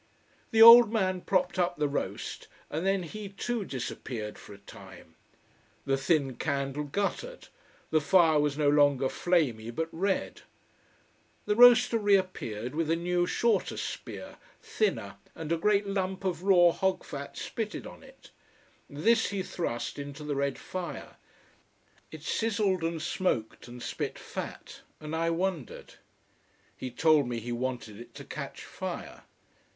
The old man propped up the roast, and then he too disappeared for a time. The thin candle guttered, the fire was no longer flamy but red. The roaster reappeared with a new, shorter spear, thinner, and a great lump of raw hog fat spitted on it. This he thrust into the red fire. It sizzled and smoked and spit fat, and I wondered. He told me he wanted it to catch fire.